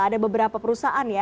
ada beberapa perusahaan ya